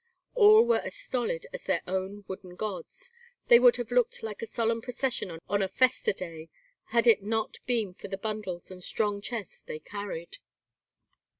All were as stolid as their own wooden gods. They would have looked like a solemn procession on a festa day had it not been for the bundles and strong chests they carried.